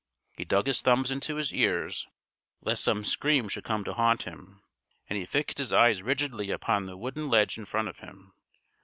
He dug his thumbs into his ears lest some scream should come to haunt him, and he fixed his eyes rigidly upon the wooden ledge in front of him.